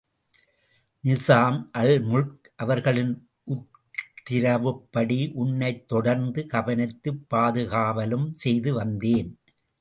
நிசாம் அல்முல்க் அவர்களின் உத்திரவுப்படி உன்னைத் தொடர்ந்து கவனித்து பாதுகாவலும் செய்து வந்தேன்.